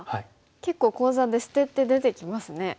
結構講座で「捨て」って出てきますね。